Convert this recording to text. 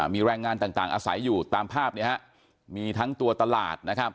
มีแรงงานต่างอาศัยอยู่ตามภาพมีทั้งตัวตลาด